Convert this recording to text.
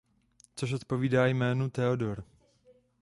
Což odpovídá jménu Theodor.